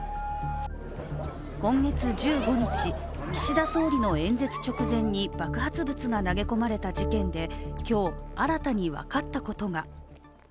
今月１５日、岸田総理の演説直前に爆発物が投げ込まれた事件で今日、新たに分かったことが。